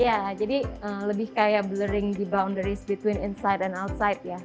iya jadi lebih kayak blurring di boundaries between inside and outside ya